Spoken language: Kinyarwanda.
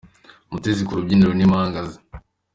Mutesi ku rubyiniro n’impanga ze